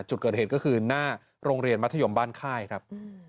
จุดเกิดเหตุก็คือหน้าโรงเรียนมัธยมบ้านค่ายครับ